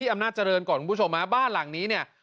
อำนาจเจริญก่อนคุณผู้ชมฮะบ้านหลังนี้เนี่ย